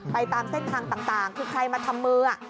ตามเส้นทางต่างคือใครมาทำมือ